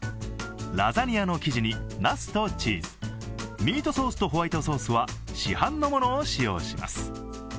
ラザニアの生地になすとチーズ、ミートソースとホワイトソースは市販のものを使用します。